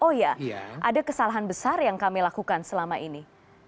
oh ya ada kesalahan besar yang kami lakukan selama ini